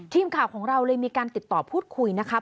ทีมข่าวของเราเลยมีการติดต่อพูดคุยนะครับ